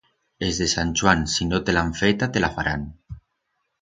Es de Sant Chuan si no te la han feta te la farán.